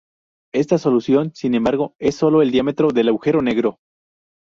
Esta solución, sin embargo, es sólo el diámetro del agujero negro.